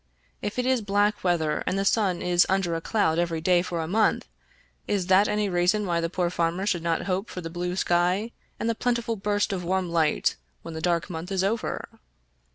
If it is black weather, find the sun is under a cloud every day for a month, is that any reason why the poor farmer should not hope for the blue sky and the plentiful burst of warm light when the dark month is over?